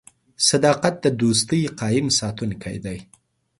• صداقت د دوستۍ قایم ساتونکی دی.